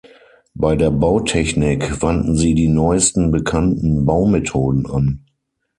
Bei der Bautechnik wandten sie die neuesten bekannten Baumethoden an.